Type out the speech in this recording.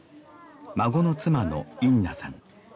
孫の妻のインナさん